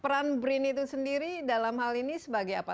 peran brin itu sendiri dalam hal ini sebagai apa